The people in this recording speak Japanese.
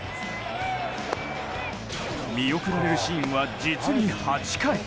見送られるシーンは実に８回。